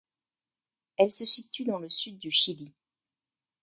Elle se situe dans le sud du Chili.